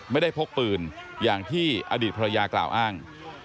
พกปืนอย่างที่อดีตภรรยากล่าวอ้าง